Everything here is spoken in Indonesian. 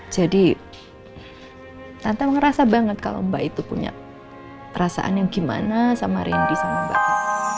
jadi tante merasa banget kalau mbak itu punya perasaan yang gimana sama rendy sama mbak itu